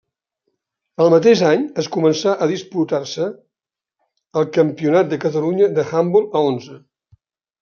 El mateix any es començà a disputar-se el Campionat de Catalunya d'handbol a onze.